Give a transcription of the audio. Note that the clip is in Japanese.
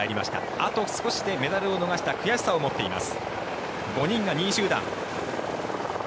あと少しでメダルを逃した悔しさを持っています。